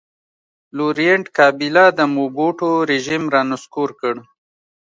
لورینټ کابیلا د موبوټو رژیم را نسکور کړ.